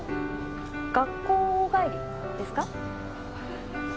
学校帰りですか？